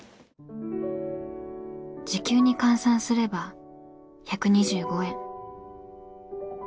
時給に換算すれば１２５円。